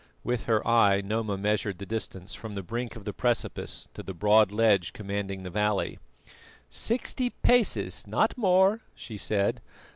With her eye Noma measured the distance from the brink of the precipice to the broad ledge commanding the valley. "Sixty paces, not more," she said.